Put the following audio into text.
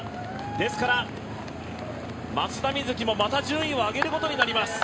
ですから松田瑞生もまた順位を上げることになります。